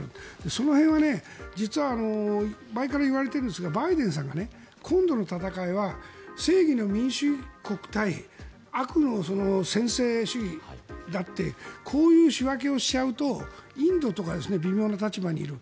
その辺は実は前から言われていますがバイデンさんが今度の戦いは正義の民主主義国対悪の専制主義だってこういう仕分けをしちゃうとインドとか微妙な立場にいる。